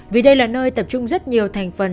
vì đây là nơi tập trung rất nhiều thành phần